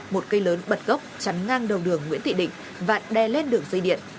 một cây lớn bật gốc chắn ngang đầu đường nguyễn thị định và đè lên đường dây điện